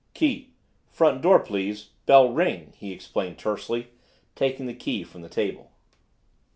"Key, front door please bell ring," he explained tersely, taking the key from the table.